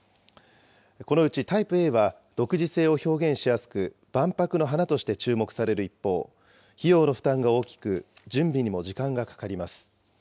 このうちタイプＡは、独自性を表現しやすく、万博の華として注目される一方、費用の負担が大きく、準備にも時間がかかります。